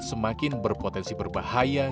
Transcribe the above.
semakin berpotensi berbahaya